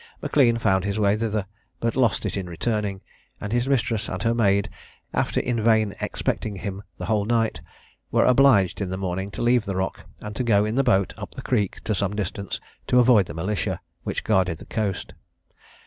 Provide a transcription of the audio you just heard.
M'Lean found his way thither, but lost it in returning; and his mistress and her maid, after in vain expecting him the whole night, were obliged in the morning to leave the rock, and go in the boat up the creek to some distance, to avoid the militia which guarded the coast.